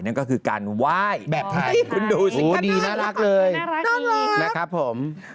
นั่นก็คือการไหว้แบบไทยคุณดูสิ่งขนาดนั้นน่ารักเลย